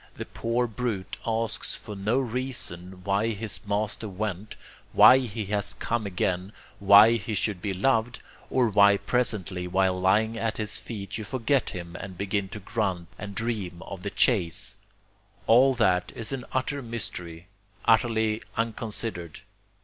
the poor brute asks for no reason why his master went, why he has come again, why he should be loved, or why presently while lying at his feet you forget him and begin to grunt and dream of the chase all that is an utter mystery, utterly unconsidered.